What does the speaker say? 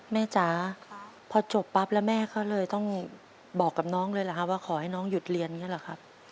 จ๋าพอจบปั๊บแล้วแม่ก็เลยต้องบอกกับน้องเลยเหรอครับว่าขอให้น้องหยุดเรียนอย่างนี้หรอครับ